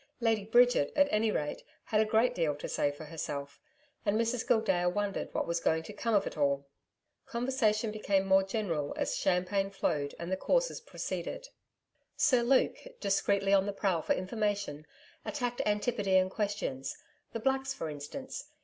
Lady Bridget, at any rate, had a great deal to say for herself, and Mrs Gildea wondered what was going to come of it all. Conversation became more general as champagne flowed and the courses proceeded. Sir Luke, discreetly on the prowl for information, attacked Antipodean questions the Blacks for instance.